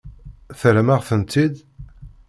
Terram-aɣ-tent-id?